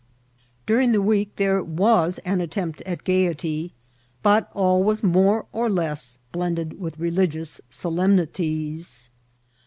During the week there was an attempt at gayety, but all was more or less blended with religious solemnities.